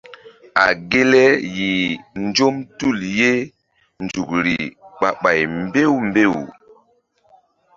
A ge le yih nzɔm tul ye nzukri ɓah ɓay mbew mbew.